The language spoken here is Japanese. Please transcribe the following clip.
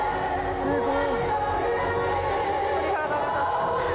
すごい。